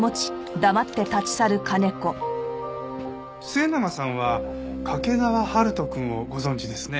末永さんは掛川春人くんをご存じですね。